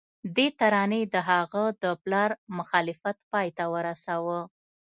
دې ترانې د هغه د پلار مخالفت پای ته ورساوه